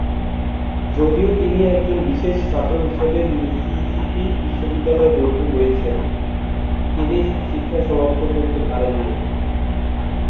যদিও তিনি একজন বিশেষ ছাত্র হিসেবে মিসিসিপি বিশ্ববিদ্যালয়ে ভর্তি হয়েছিলেন, তিনি শিক্ষা সমাপ্ত করতে পারেননি।